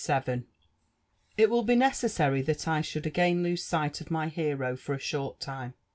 * It will be necessary thai I should again lose sight of my liero for a short time, th?